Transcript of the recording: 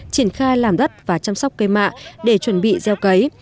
triển khai làm đất và chăm sóc cây mạ để chuẩn bị gieo cấy